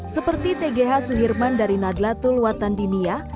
seperti tgh suhirman dari nadlatul watan dinia